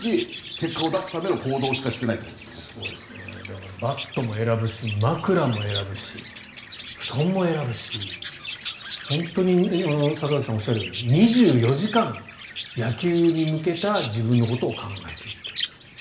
結果を出すためのバットも選ぶし枕も選ぶし布団も選ぶし本当に里崎さんがおっしゃるように２４時間野球に向けた自分のことを考えていると。